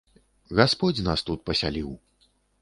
Гасподзь нас тут пасяліў.